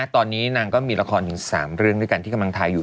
ตอนนี้นางก็มีละครถึง๓เรื่องด้วยกันที่กำลังทายอยู่